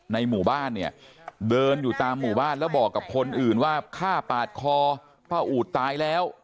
ในหมู่บ้านเนี่ยเดินอยู่ตามหมู่บ้านแล้วบอกกับคนอื่นว่าฆ่าปาดคอป้าอูดตายแล้ว